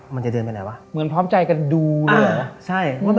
มันจะเดินไปไหนวะเหมือนพร้อมใจกันดูเลยเหรอ